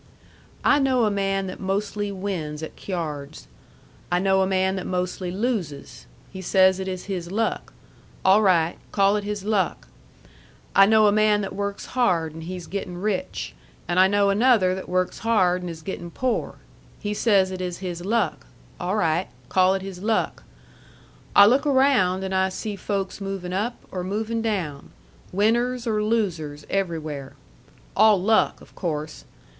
"I know a man that mostly wins at cyards. I know a man that mostly loses. He says it is his luck. All right. Call it his luck. I know a man that works hard and he's gettin' rich, and I know another that works hard and is gettin' poor. He says it is his luck. All right. Call it his luck. I look around and I see folks movin' up or movin' down, winners or losers everywhere. All luck, of course.